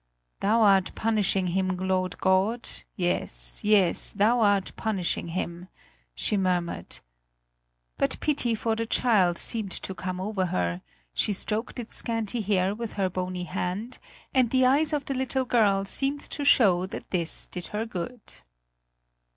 "Thou art punishing him, Lord God! Yes, yes, Thou art punishing him!" she murmured. But pity for the child seemed to come over her; she stroked its scanty hair with her bony hand, and the eyes of the little girl seemed to show that this did her good.